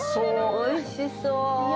おいしそう。